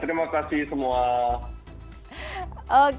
terimakasih alayka dan mwishang